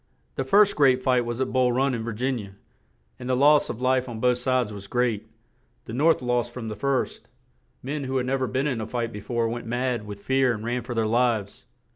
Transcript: The first great fight was at Bull Run in Vir gin i a; and the loss of life on both sides was great; the North lost from the first; men who had nev er been in a fight be fore went mad with fear and ran for their lives.